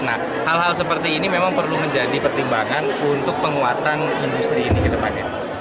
nah hal hal seperti ini memang perlu menjadi pertimbangan untuk penguatan industri ini ke depannya